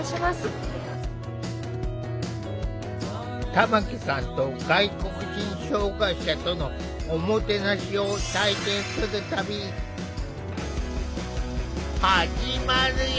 玉木さんと外国人障害者とのおもてなしを体験する旅始まるよ。